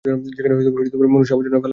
যেখানে মনুষ্য আবর্জনা ফেলা হয়।